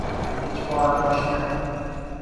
اجبار داشتن